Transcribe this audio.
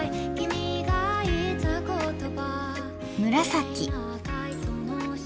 紫。